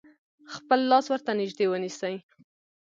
خپل لاس ورته نژدې ونیسئ.